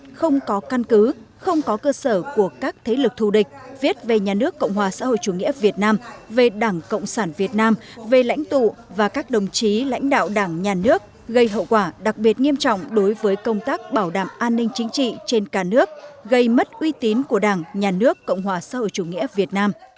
các đối không có cơ sở của các thế lực thù địch viết về nhà nước cộng hòa xã hội chủ nghĩa việt nam về đảng cộng sản việt nam về lãnh tụ và các đồng chí lãnh đạo đảng nhà nước gây hậu quả đặc biệt nghiêm trọng đối với công tác bảo đảm an ninh chính trị trên cả nước gây mất uy tín của đảng nhà nước cộng hòa xã hội chủ nghĩa việt nam